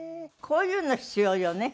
こういうの必要よね。